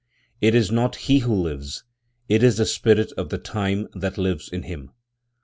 It is not he who lives, it is the spirit of the time that lives in him.